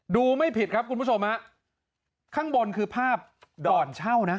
ไม่ผิดครับคุณผู้ชมฮะข้างบนคือภาพก่อนเช่านะ